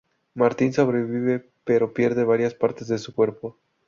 Martín sobrevive pero pierde varias partes de su cuerpo.